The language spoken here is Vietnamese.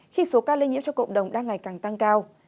khi số ca lây nhiễm trong cộng đồng đang ngày càng tăng cao